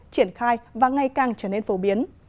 triển khai và ngày càng phát triển